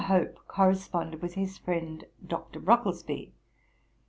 Hope corresponded with his friend Dr. Brocklesby.